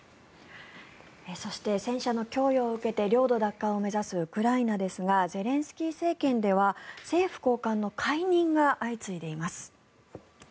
そして戦車の供与を受けて領土奪還を目指すウクライナですがゼレンスキー政権では政府高官の解任が相次いでいます。